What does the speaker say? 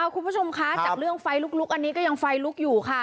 คุณผู้ชมคะจากเรื่องไฟลุกอันนี้ก็ยังไฟลุกอยู่ค่ะ